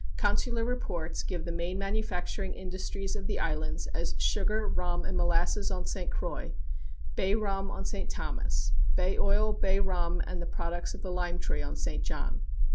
Consular reports give the main manufacturing industries of the islands as sugar, rum and molasses on St. Croix; bay rum on St. Thomas; bay oil, bay rum and the products of the lime tree on St. John.